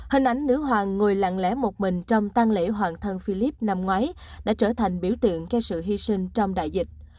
hình ảnh nữ hoàng ngồi lặng lẽ một mình trong tăng lễ hoàng thân philip năm ngoái đã trở thành biểu tượng cho sự hy sinh trong đại dịch